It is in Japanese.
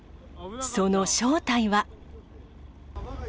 その正体は。